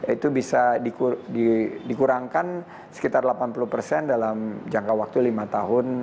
itu bisa dikurangkan sekitar delapan puluh persen dalam jangka waktu lima tahun